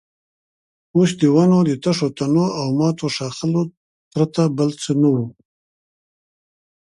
اوس د ونو د تشو تنو او ماتو ښاخلو پرته بل څه نه وو.